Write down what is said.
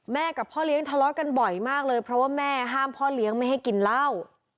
กับพ่อเลี้ยงทะเลาะกันบ่อยมากเลยเพราะว่าแม่ห้ามพ่อเลี้ยงไม่ให้กินเหล้า